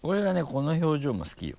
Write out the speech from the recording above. この表情も好きよ。